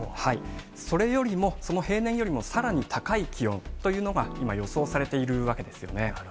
それよりも、その平年よりもさらに高い気温というのが今、予想されているわけですよね。